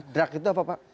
drak itu apa pak